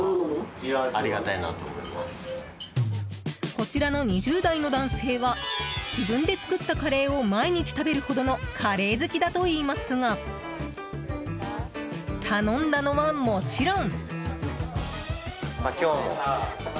こちらの２０代の男性は自分で作ったカレーを毎日食べるほどのカレー好きだといいますが頼んだのはもちろん。